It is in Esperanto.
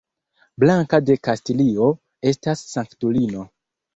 Blanka de Kastilio estas sanktulino.